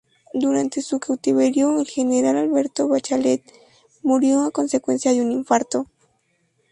Durante su cautiverio el general Alberto Bachelet murió a consecuencia de un infarto.